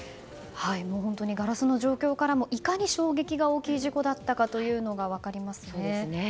本当にガラスの状況からもいかに衝撃が大きい事故だったかというのが分かりますね。